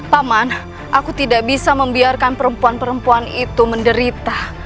paman aku tidak bisa membiarkan perempuan perempuan itu menderita